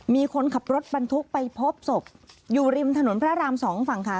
มีคนขับรถบรรทุกไปพบศพอยู่ริมถนนพระรามสองฝั่งค่ะ